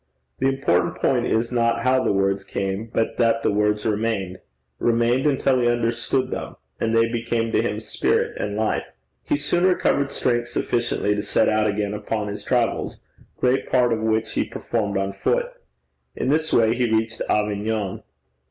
The important point is not how the words came, but that the words remained remained until he understood them, and they became to him spirit and life. He soon recovered strength sufficiently to set out again upon his travels, great part of which he performed on foot. In this way he reached Avignon.